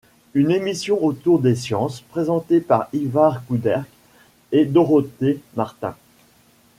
Une émission autour des sciences, présentée par Ivar Couderc et Dorothée Martin.